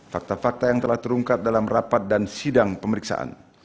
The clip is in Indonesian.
fakta fakta yang telah terungkap dalam rapat dan sidang pemeriksaan